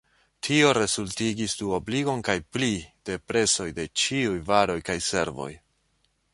Tio rezultigis duobligon kaj pli de prezoj de ĉiuj varoj kaj servoj.